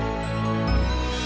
makasih pak ustadz